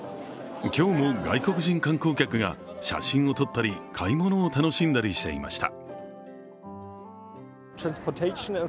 今日も外国人観光客が写真を撮ったり買い物を楽しんだりしていました。